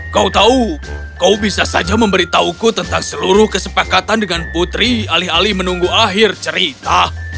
kau tahu kau bisa saja memberitahuku tentang seluruh kesepakatan dengan putri alih alih menunggu akhir cerita